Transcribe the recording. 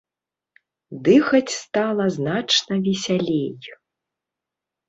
Дыхаць стала значна весялей.